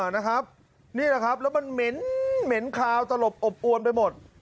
อ๋อนะครับนี่แหละครับแล้วมันเหม็นเหม็นคาวตลบอบอวนไปหมด